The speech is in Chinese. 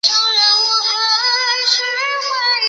虽然我们吃很慢